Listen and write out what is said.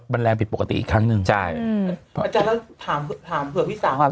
มันแรงผิดปกติอีกครั้งหนึ่งใช่อืมอาจารย์แล้วถามถามเผื่อพี่สาวว่า